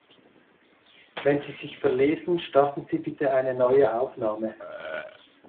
Wenn Sie sich verlesen, starten Sie bitte eine neue Aufnahme.